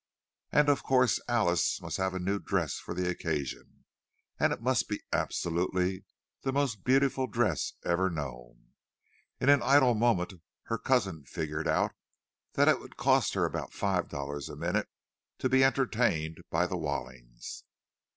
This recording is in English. And of course Alice must have a new dress for the occasion, and it must be absolutely the most beautiful dress ever known. In an idle moment her cousin figured out that it was to cost her about five dollars a minute to be entertained by the Wallings!